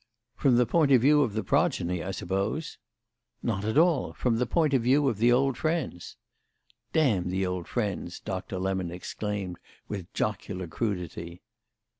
"From the point of view of the progeny, I suppose?" "Not at all. From the point of view of the old friends." "Damn the old friends!" Doctor Lemon exclaimed with jocular crudity.